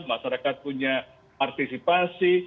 masyarakat punya artisipasi